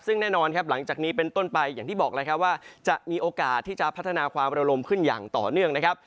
ซึ่งแน่นอนครับหลังจากนี้เป็นต้นไปอย่างที่บอกแล้วครับว่าจะมีโอกาสที่จะพัฒนาความระลมขึ้นอย่างต่อเนื่องนะครับ